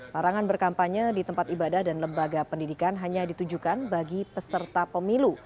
larangan berkampanye di tempat ibadah dan lembaga pendidikan hanya ditujukan bagi peserta pemilu